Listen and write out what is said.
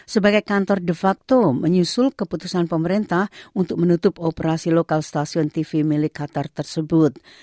sebagai kantor de facto menyusul keputusan pemerintah untuk menutup operasi lokal stasiun tv milik qatar tersebut